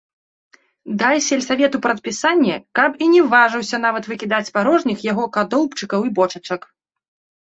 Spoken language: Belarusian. Дай сельсавету прадпісанне, каб і не важыўся нават выкідаць парожніх яго кадоўбчыкаў і бочачак.